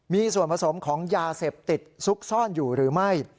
มีส่วนผสมของยาเสพติดซุกซ่อนอยู่หรือไม่